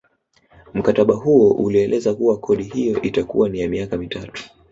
Mkataba huo ulieleza kuwa kodi hiyo itakuwa ni ya miaka mitatu